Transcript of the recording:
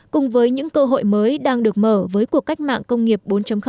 cùng với những cơ hội mới đang được mở với cuộc cách mạng công nghiệp bốn